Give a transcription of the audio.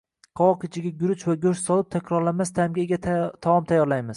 Qovoq ichiga guruch va go‘sht solib, takrorlanmas ta’mga ega taom tayyorlaymiz